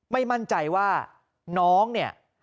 ไม่มั่นใจว่าน้องเนี่ย